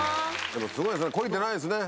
すごいですね懲りてないですね